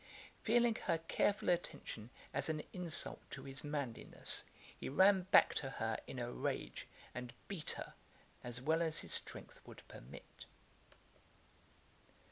Feeling her careful attention as an insult to his manliness, he ran back to her in a rage, and beat her, as well as his strength would permit.